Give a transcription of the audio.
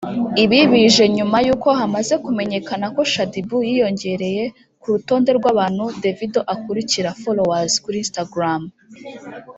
Ibi bije nyuma yuko hamaze kumenyekana ko Shadyboo yiyongereye ku rutonde rw’ abantu Davido akurikira (Followers) kuri Instagram